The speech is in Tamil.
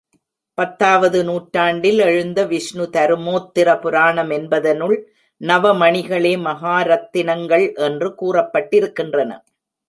பத்தாவது நூற்றாண்டில் எழுந்த விஷ்ணு தருமோத்ர புராணம் என்பதனுள் நவமணிகளே மகாரத்தினங்கள் என்று கூறப்பட்டிருக்கின்றன.